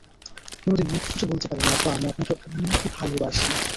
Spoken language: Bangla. কোনো দিন মুখ ফুটে বলতে পারিনি আব্বা আমি আপনাকে অনেক ভালোবাসি।